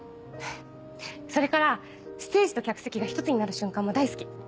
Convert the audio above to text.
それからステージと客席が一つになる瞬間も大好き！